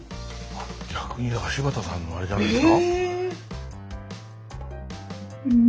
逆に柴田さんのあれじゃないですか。